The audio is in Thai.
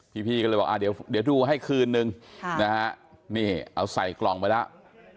พี่ก็เลยบอกเดี๋ยวดูให้คืนนึงนะฮะนี่เอาใส่กล่องไปแล้ว